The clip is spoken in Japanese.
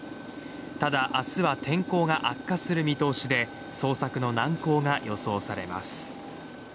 ただ、明日は天候が悪化する見通しで、捜索の難航が予想されます。